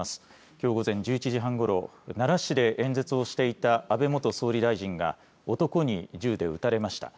きょう午前１１時半ごろ奈良市で演説をしていた安倍元総理大臣が男に銃で撃たれました。